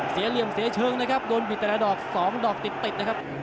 เหลี่ยมเสียเชิงนะครับโดนบิดแต่ละดอกสองดอกติดนะครับ